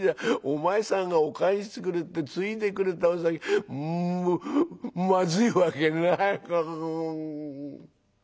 お前さんがお燗してくれてついでくれたお酒まずいわけない」。